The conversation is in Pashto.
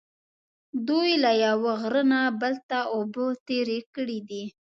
دوی له یوه غره نه بل ته اوبه تېرې کړې دي.